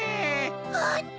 ホント！